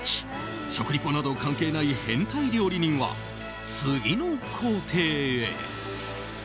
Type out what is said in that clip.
食リポなど関係ない変態料理人は次の工程へ。